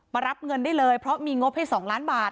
รับเงินได้เลยเพราะมีงบให้๒ล้านบาท